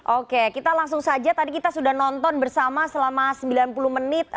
oke kita langsung saja tadi kita sudah nonton bersama selama sembilan puluh menit